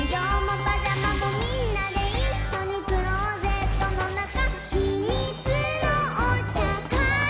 「みんなでいっしょにクローゼットのなか」「ひみつのおちゃかい」